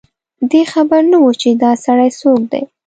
دی خبر نه و چي دا سړی څوک دی